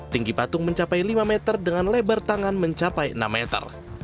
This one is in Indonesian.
tinggi patung mencapai lima meter dengan lebar tangan mencapai enam meter